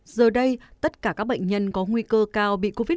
giờ đây tất cả các bệnh nhân có nguy cơ cao tiến triển thành covid một mươi chín nặng